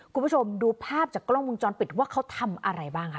คุณผู้ชมดูภาพจากกล้องวงจรปิดว่าเขาทำอะไรบ้างคะ